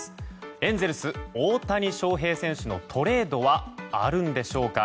エンゼルス、大谷翔平選手のトレードはあるのでしょうか。